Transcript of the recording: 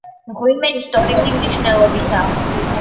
მღვიმე ისტორიული მნიშვნელობისაა.